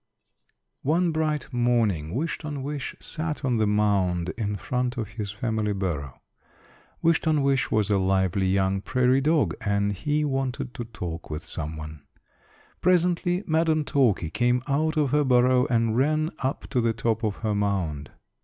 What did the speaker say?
One bright May morning Wish ton wish sat on the mound in front of his family burrow. Wish ton wish was a lively young prairie dog and he wanted to talk with someone. Presently Madam Talky came out of her burrow and ran up to the top of her mound.